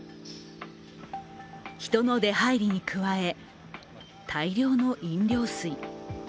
人の出入りに加え、大量の飲料水。